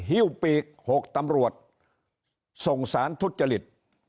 ฮิ้วปีก๖ตำรวจส่งสารทุจริต